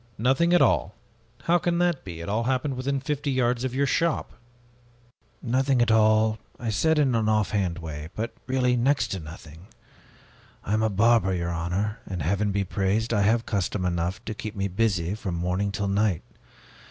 "Nothing at all? How can that be? It all happened within fifty yards of your shop." "'Nothing at all,' I said, ... in an off hand way; but really, next to nothing. I am a barber, your honor, and Heaven be praised! I have custom enough to keep me busy from morning till night.